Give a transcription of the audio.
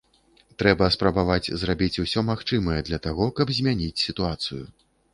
Трэба спрабаваць зрабіць усё магчымае для таго, каб змяніць сітуацыю.